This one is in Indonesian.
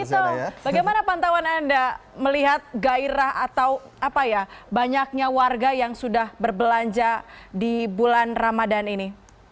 mito bagaimana pantauan anda melihat gairah atau apa ya banyaknya warga yang sudah berbelanja di bulan ramadan ini